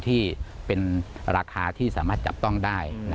ที่เป็นราคาที่สามารถจับต้องได้